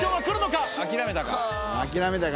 諦めたか？